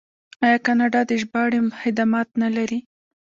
آیا کاناډا د ژباړې خدمات نلري؟